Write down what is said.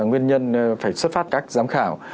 nguyên nhân phải xuất phát các giám khảo